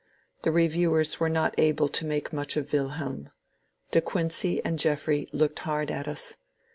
The reviewers were not able to make much of Wilhelm. De Quincey and Jeffrey looked hard at us.